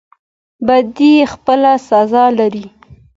بدی خپل سزا لري